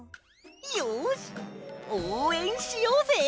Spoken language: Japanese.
よしおうえんしようぜ！